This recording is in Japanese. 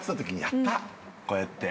こうやって。